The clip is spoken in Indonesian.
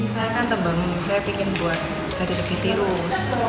saya kan tembang saya ingin buat jadi lebih tirus